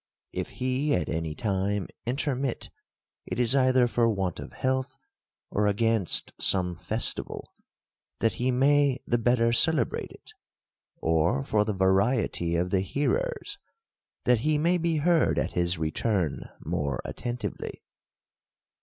If he at any time intermit, it is either for want of health ; or against some festival, that he may the better celebrate it; or for the variety of the hearers, that he may be heard at his return more attentively.